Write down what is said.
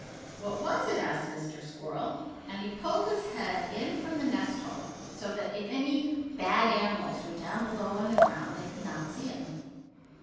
"What was it?" asked Mr. Squirrel, and he pulled his head in from the nest hole, so that if any bad animals were down below on the ground they could not see him.